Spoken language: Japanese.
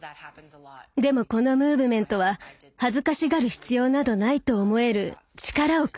でもこのムーブメントは恥ずかしがる必要などないと思える力をくれたんです。